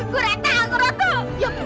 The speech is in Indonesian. gue datang gue datang